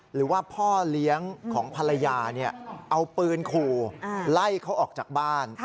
หรือว่าพ่อเลี้ยงของภรรยาเอาปืนขู่ไล่เขาออกจากบ้าน